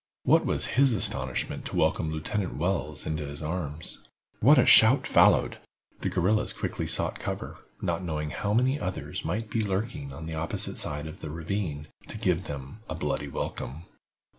What was his astonishment to welcome Lieutenant Wells to his arms! What a shout followed! The guerrillas quickly sought cover, not knowing how many others might be lurking on the opposite side of the ravine to give them a bloody welcome.